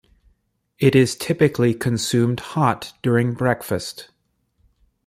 It is typically consumed hot during breakfast.